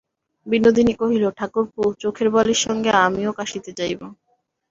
বিনোদিনী কহিল, ঠাকুরপো, চোখের বালির সঙ্গে আমিও কাশীতে যাইব।